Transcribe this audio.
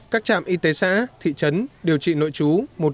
các trạm y tế xã thị trấn điều trị nội trú